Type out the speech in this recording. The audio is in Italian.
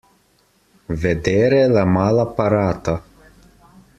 Vedere la mala parata.